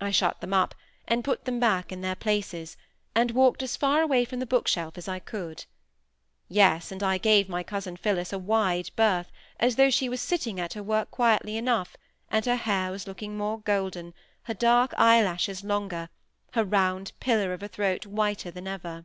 I shut them up, and put them back in their places, and walked as far away from the bookshelf as I could. Yes, and I gave my cousin Phillis a wide berth, as though she was sitting at her work quietly enough, and her hair was looking more golden, her dark eyelashes longer, her round pillar of a throat whiter than ever.